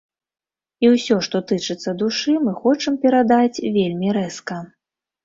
І ўсё, што тычыцца душы, мы хочам перадаць вельмі рэзка.